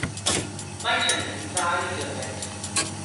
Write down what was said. Mae hynny'n dda i glywed.